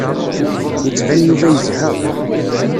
Yettban Yuba yezha.